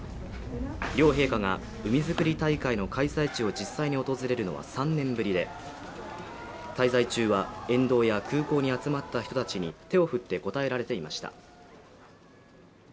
両陛下が海づくり大会の開催地を実際に訪れるのは３年ぶりで滞在中は、沿道や空港に集まった人たちに手を振って応えられていました。